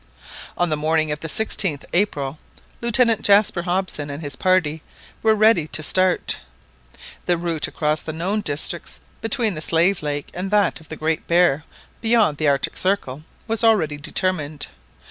On the morning of the 16th April Lieutenant Jaspar Hobson and his party were ready to start. The route across the known districts, between the Slave Lake and that of the Great Bear beyond the Arctic Circle, was already determined.